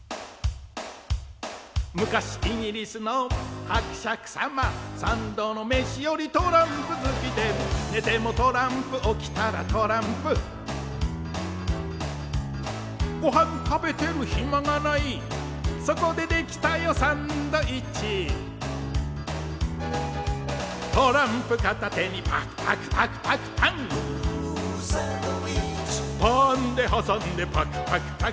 「むかしイギリスのはくしゃくさま」「三度のメシよりトランプ好きで」「寝てもトランプ起きたらトランプ」「ごはんたべてるひまがない」「そこでできたよサンドイッチ」「トランプ片手にパクパクパクパクパン」ウーサンドイッチ「パンではさんでパクパクパクパクパン」